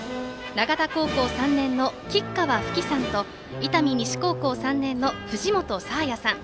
長田高校３年の吉川阜希さんと伊丹西高校３年の藤本紗也さん。